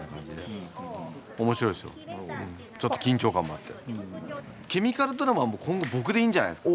ちょっと緊張感もあって。